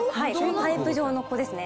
パイプ状のここですね。